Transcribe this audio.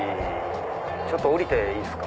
ちょっと降りていいっすか？